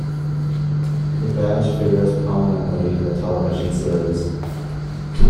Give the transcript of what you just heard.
The badge figures prominently in the television series "".